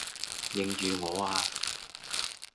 認住我呀!